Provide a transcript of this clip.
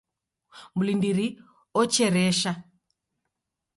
Mlindiri ocheresha